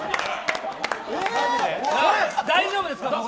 大丈夫ですか？